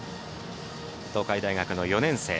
東海大学の４年生。